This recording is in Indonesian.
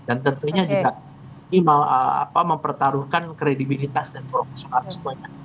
dan tentunya juga ini mempertaruhkan kredibilitas dan profesional semuanya